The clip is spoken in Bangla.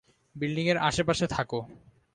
বিল্ডিং এর আশেপাশে থাকো।